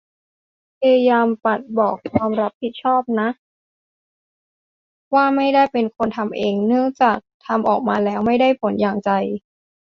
พยายามปัดความรับผิดชอบน่ะ ว่าไม่ได้เป็นคนทำเอง เนื่องจากทำออกมาแล้วไม่ได้ผลอย่างใจ